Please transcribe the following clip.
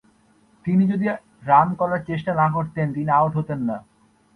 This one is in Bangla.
তিনি যদি রান করার চেষ্টা না করতেন, তিনি আউট হতেন না।